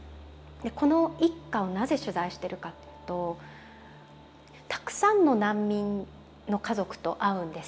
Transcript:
この一家をなぜ取材してるかというとたくさんの難民の家族と会うんです。